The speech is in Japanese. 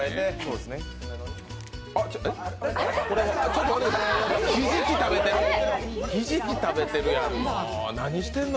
ちょっとひじき食べてるやん。